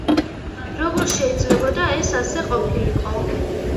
როგორ შეიძლებოდა ეს ასე ყოფილიყო?